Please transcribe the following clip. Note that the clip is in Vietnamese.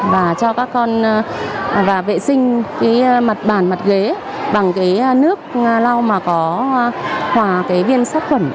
và cho các con vệ sinh mặt bàn mặt ghế bằng nước lau mà có hòa viên sát khủng